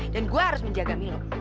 dan gue harus menjaga milo